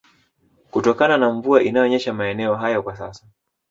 kutokana na mvua inayonyesha maeneo hayo kwa sasa